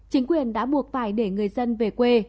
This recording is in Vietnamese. chính quyền đã buộc phải để người dân về quê